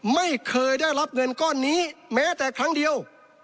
ไม่เคยได้รับเงินก้อนนี้แม้แต่ครั้งเดียว